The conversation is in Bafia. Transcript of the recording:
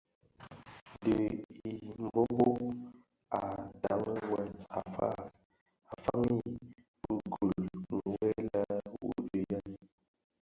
Ndhi i Mbhöbhög a ndhami wuèl a faňi bi gul nwe lè: wuodhi yèn !